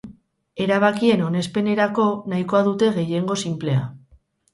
Erabakien onespenerako nahikoa dute gehiengo sinplea.